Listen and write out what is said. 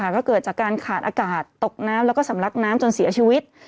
ก็เกิดจากการขาดอากาศตกน้ำแล้วก็สำลักน้ำจนเสียชีวิต